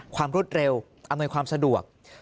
รวดเร็วอำนวยความสะดวก